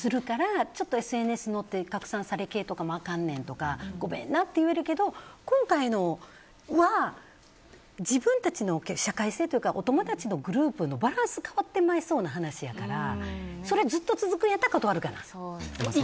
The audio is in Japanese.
そうするとＳＮＳで拡散され系とかもあかんねんごめんなって言えるけど今回のは、自分たちにおける社会性というかお友達のグループのバランス変わってまいそうな話やからそれずっと続くんやったら断るかな。